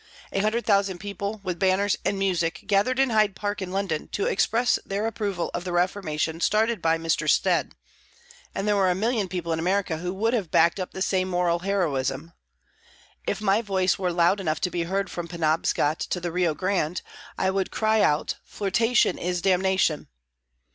A hundred thousand people, with banners and music, gathered in Hyde Park in London, to express their approval of the reformation started by Mr. Stead, and there were a million people in America who would have backed up the same moral heroism. If my voice were loud enough to be heard from Penobscot to the Rio Grande, I would cry out "Flirtation is damnation."